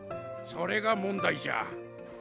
それが問題じゃ。